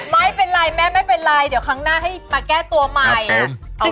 ไม่เป็นไรแม่ไม่เป็นไรเดี๋ยวครั้งหน้าให้มาแก้ตัวใหม่